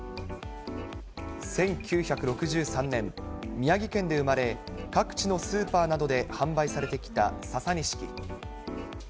１９６３年、宮城県で生まれ、各地のスーパーなどで販売されてきたササニシキ。